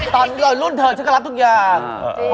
ตอนรุ่นเธอฉันก็รับทุกอย่าง